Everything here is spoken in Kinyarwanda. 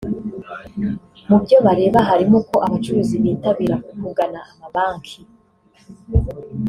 Mu byo bareba harimo uko abacuruzi bitabira kugana amabanki